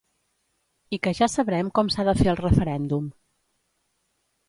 I que ja sabrem com s’ha de fer el referèndum.